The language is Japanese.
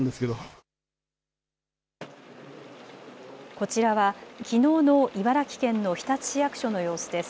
こちらはきのうの茨城県の日立市役所の様子です。